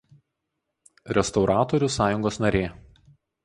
Restauratorių sąjungos narė.